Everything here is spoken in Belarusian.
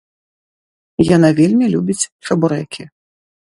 Яна вельмі любіць чабурэкі.